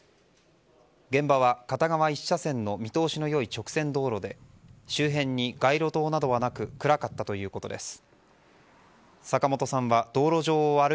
現場は片側１車線の見通しの良い直線道路で周辺に街路灯などはなく暗かったということです。